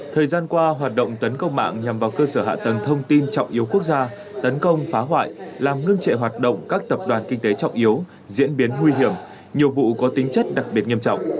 thời gian qua hoạt động tấn công mạng nhằm vào cơ sở hạ tầng thông tin trọng yếu quốc gia tấn công phá hoại làm ngưng trệ hoạt động các tập đoàn kinh tế trọng yếu diễn biến nguy hiểm nhiều vụ có tính chất đặc biệt nghiêm trọng